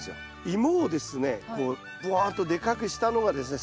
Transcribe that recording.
イモをですねこうぶわっとでかくしたのがですね